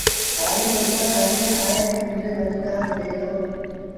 هآريٚ پئيٚسآ کڻي آئي پنڊري زميدآر ڏي دو